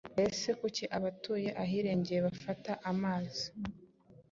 Mbese kuki abatuye ahirengeye bafata amzi